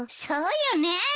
そうよね。